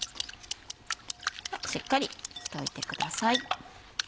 しっかり溶いてください。